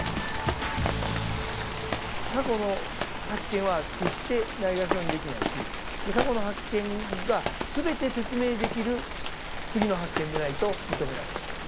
過去の発見は決してないがしろにできないし過去の発見が全て説明できる次の発見でないと認められない。